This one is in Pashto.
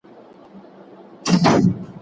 هغه وويل چي سبقونه تکرارول مهم دي.